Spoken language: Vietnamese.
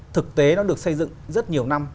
thực tế nó được xây dựng rất nhiều năm